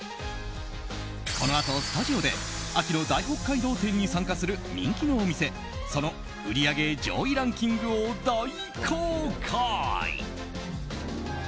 このあと、スタジオで秋の大北海道展に参加する人気のお店その売り上げ上位ランキングを大公開。